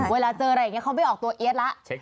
เวลาเจออะไรอย่างงี้เขาไม่ออกตัวเอสละ